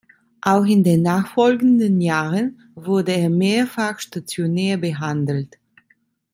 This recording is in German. Auch in den nachfolgenden Jahren wurde er mehrfach stationär behandelt.